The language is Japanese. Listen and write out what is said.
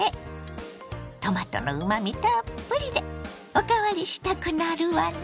トマトのうまみたっぷりでおかわりしたくなるわね。